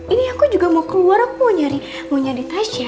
ini aku juga mau keluar aku mau nyari tasya